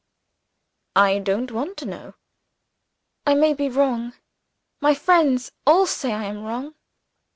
"I don't want to know." "I may be wrong. My friends all say I am wrong."